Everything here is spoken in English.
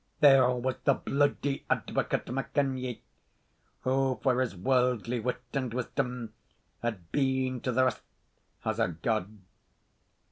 There was the Bludy Advocate MacKenyie, who, for his worldly wit and wisdom, had been to the rest as a god.